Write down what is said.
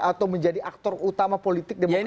atau menjadi aktor utama politik demokrasi